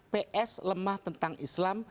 ps lemah tentang islam